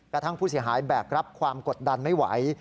กระทั่งผู้เสียหายแบกรับความกดดันไม่ไหว